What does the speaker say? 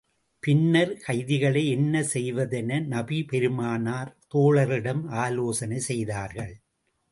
பின்னர் கைதிகளை என்ன செய்வது என நபி பெருமானார் தோழர்களிடம் ஆலோசனை செய்தார்கள்.